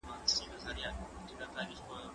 زه پرون سبزیجات وچوم وم؟